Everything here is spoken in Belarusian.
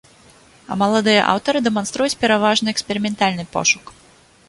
А маладыя аўтары дэманструюць пераважна эксперыментальны пошук.